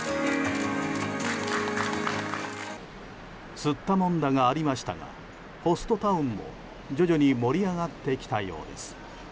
すったもんだがありましたがホストタウンも徐々に盛り上がってきたようです。